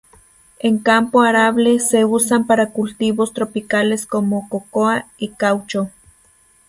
En campo arable se usan para cultivos tropicales como cocoa y caucho.